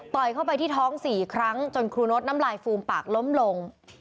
เข้าไปที่ท้อง๔ครั้งจนครูโน๊ตน้ำลายฟูมปากล้มลง